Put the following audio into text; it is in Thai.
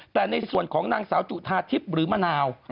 แต่ในส่วนของนางสาวจุธาทิพย์หรือมะนาว